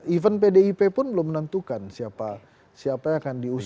even pdip pun belum menentukan siapa yang akan diusung